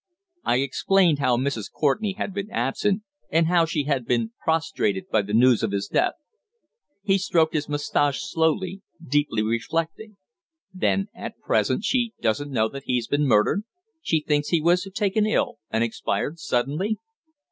I explained how Mrs. Courtenay had been absent, and how she had been prostrated by the news of his death. He stroked his moustache slowly, deeply reflecting. "Then at present she doesn't know that he's been murdered? She thinks that he was taken ill, and expired suddenly?"